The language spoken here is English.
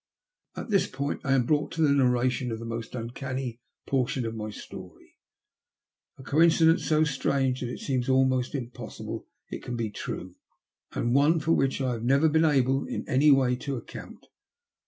At this point I am brought to the narration of the most uncanny portion of my story: a coincidence so strange that it seems almost impossible it can be true, and one for which I have never been able, in any way, to account.